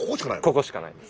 ここしかないです。